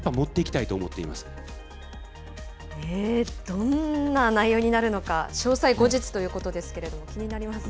どんな内容になるのか、詳細、後日ということですけれども、気になりますね。